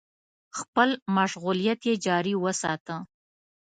خپل مشغولیت يې جاري وساته.